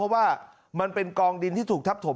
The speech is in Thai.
มึงอยากให้ผู้ห่างติดคุกหรอ